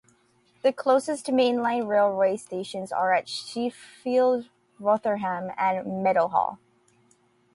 The closest mainline railway stations are at Sheffield, Rotherham, and Meadowhall.